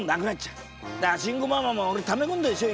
だから慎吾ママもため込んでるでしょ